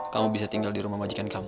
kamu bisa tinggal di rumah majikan kamu